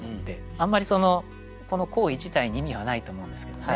あんまりこの行為自体に意味はないと思うんですけどね。